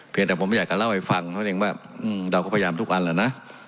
เพียงแต่ผมไม่อยากจะเล่าให้ฟังเขาเรียกว่าอืมเราก็พยายามทุกอันแหละนะ